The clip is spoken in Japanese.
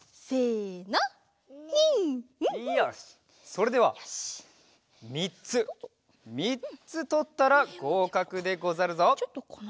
それでは３つ３つとったらごうかくでござるぞ。